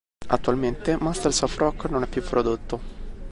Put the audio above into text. Attualmente "Masters of Rock" non è più prodotto.